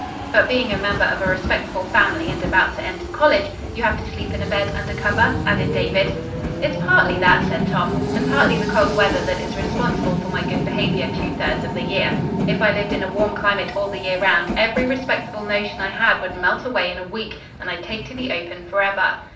"But being a member of a respectable family and about to enter college, you have to sleep in a bed under cover?" added David. "It's partly that," said Tom, "and partly the cold weather that is responsible for my good behavior two thirds of the year. If I lived in a warm climate all the year around, every respectable notion I had would melt away in a week and I'd take to the open forever."